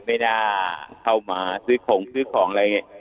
ไม่ได้เข้ามาซื้อของซื้อของอะไรอย่างนี้